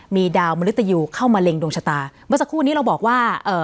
มีดาวมริตยูเข้ามาเล็งดวงชะตาเมื่อสักครู่นี้เราบอกว่าเอ่อ